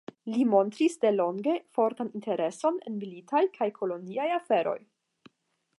Li montris delonge fortan intereson en militaj kaj koloniaj aferoj.